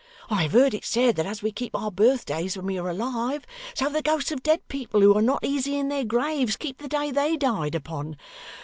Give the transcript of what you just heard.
I have heard it said that as we keep our birthdays when we are alive, so the ghosts of dead people, who are not easy in their graves, keep the day they died upon.